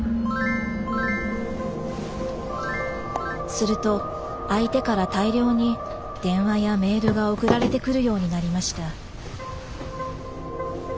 すると相手から大量に電話やメールが送られてくるようになりました。